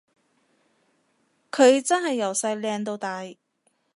佢真係由細靚到大